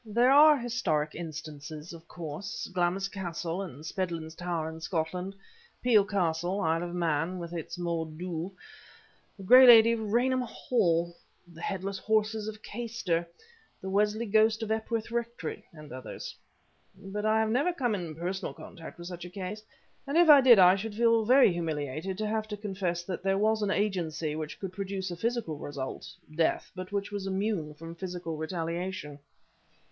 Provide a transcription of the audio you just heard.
There are historic instances, of course: Glamys Castle and Spedlins Tower in Scotland, Peel Castle, Isle of Man, with its Maudhe Dhug, the gray lady of Rainham Hall, the headless horses of Caistor, the Wesley ghost of Epworth Rectory, and others. But I have never come in personal contact with such a case, and if I did I should feel very humiliated to have to confess that there was any agency which could produce a physical result death but which was immune from physical retaliation."